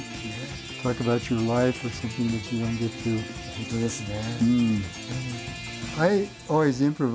本当ですね。